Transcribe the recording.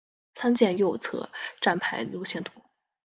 参见右侧站牌路线图。